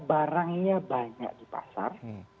barangnya banyak di pasar